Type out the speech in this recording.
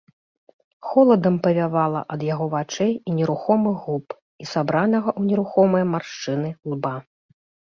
Холадам павявала ад яго вачэй і нерухомых губ і сабранага ў нерухомыя маршчыны лба.